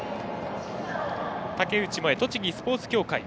竹内萌、栃木スポーツ協会。